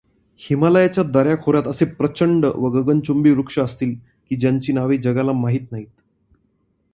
हिमालयाच्या दऱ्याखोऱ्यात असे प्रचंड व गगनचुंबी वृक्ष असतील, की ज्यांची नावे जगाला माहीत नाहीत.